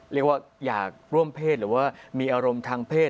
เรียกว่าอยากร่วมเพศหรือว่ามีอารมณ์ทางเพศ